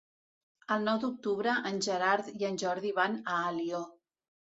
El nou d'octubre en Gerard i en Jordi van a Alió.